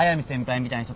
私みたいな人？